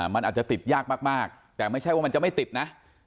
มันอาจจะติดยากมากแต่ไม่ใช่ว่ามันจะไม่ติดนะ